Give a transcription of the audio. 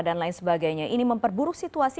dan lain sebagainya ini memperburuk situasi